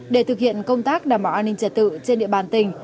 để thực hiện công tác đảm bảo an ninh trật tự trên địa bàn tỉnh